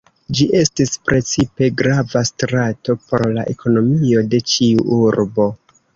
Ĝi estis precipe grava strato por la ekonomio de ĉiu urbo.